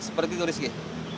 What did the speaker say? seperti itu biski